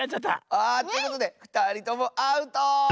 あということでふたりともアウト！